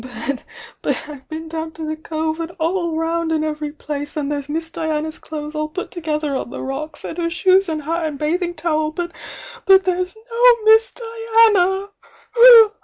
"But^ but I've been down t» the cove — and all round in every place, and there's Miss Diana's clothes all put together on the rocks, with her shoes and hat and bathing towel, but— but^there's no Miss Diana!"